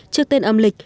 trước tên âm lịch